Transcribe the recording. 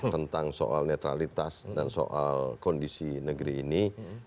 tentang soal netralitas dan soal kondisi negeri ini